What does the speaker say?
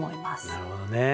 なるほどね。